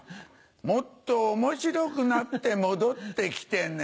もっと面白くなって戻って来てね。